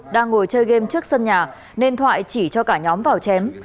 đang ngồi chơi game trước sân nhà nên thoại chỉ cho cả nhóm vào chém